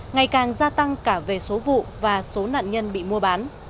ngày càng gia tăng cả về số vụ và số nạn nhân bị mua bán